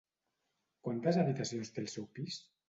Quantes habitacions té el seu pis?